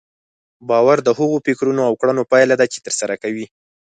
باور د هغو فکرونو او کړنو پايله ده چې ترسره کوئ.